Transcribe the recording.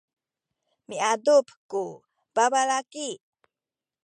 miadup ku babalaki.